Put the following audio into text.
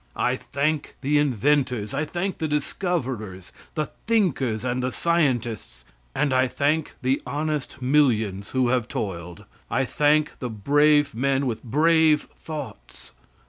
I thank the inventors, I thank the discoverers, the thinkers and the scientists, and I thank the honest millions who have toiled. I thank the brave men with brave thoughts.